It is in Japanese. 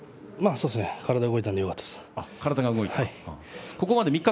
体が動いていたのでよかったです。